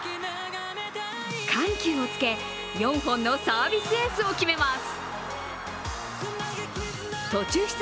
緩急をつけ４本のサービスエースを決めます。